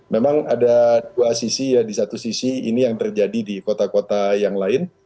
memang ada dua sisi ya di satu sisi ini yang terjadi di kota kota yang lain